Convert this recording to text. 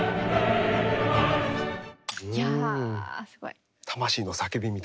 いやすごい。